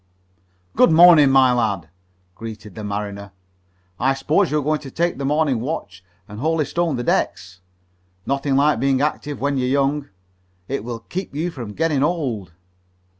"Good morning, my lad," greeted the mariner. "I suppose you are going to take the morning watch and holystone the decks. Nothing like being active when you're young. It will keep you from getting old."